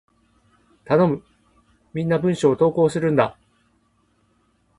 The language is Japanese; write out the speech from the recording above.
頼む！みんな文章を投稿するんだ！